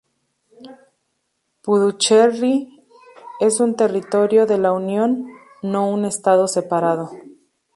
Puducherry es un Territorio de la Unión, no un estado separado.